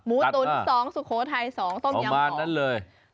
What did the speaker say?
หมูตุ๋น๒สุโขทัย๒ต้มยำของประมาณนั้นเลย